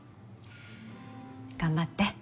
頑張って。